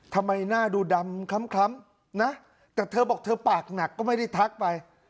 ทำไมหน้าดูดำคล้ำนะแต่เธอบอกเธอปากหนักก็ไม่ได้ทักไป